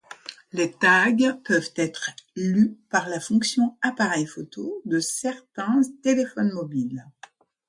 Les tags peuvent être lus par la fonction appareil photo de certains téléphones mobiles.